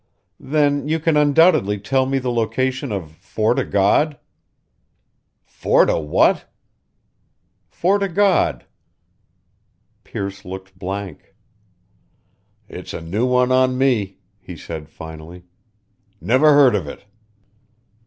"Then you can undoubtedly tell me the location of Fort o' God?" "Fort o' What?" "Fort o' God." Pearce looked blank. "It's a new one on me," he said, finally. "Never heard of it."